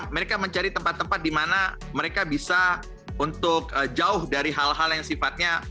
mereka mencari tempat tempat di mana mereka bisa untuk jauh dari hal hal yang sifatnya